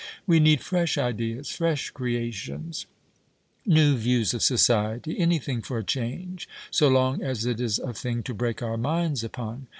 We need fresh ideas, fresh creations, new views of society, anything for a change, so long as it is a thing " to break our minds upon."